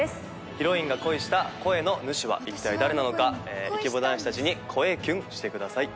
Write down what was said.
ヒロインが恋した声の主は一体誰なのかイケボ男子たちに“声キュン”してください